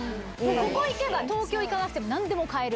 ここ行けば東京行かなくても何でも買える。